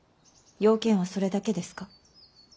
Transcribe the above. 用件はそれだけですか。